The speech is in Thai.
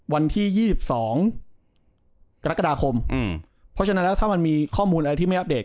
วันที่๒๒กรกฎาคมเพราะฉะนั้นแล้วถ้ามันมีข้อมูลอะไรที่ไม่อัปเดต